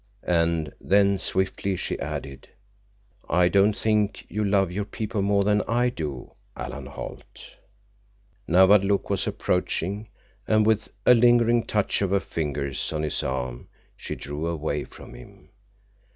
And then swiftly she added, "I don't think you love your people more than I do, Alan Holt!" Nawadlook was approaching, and with a lingering touch of her fingers on his arm she drew away from him.